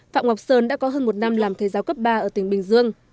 phạm ngọc sơn đã có hơn một năm làm thầy giáo cấp ba ở tỉnh bình dương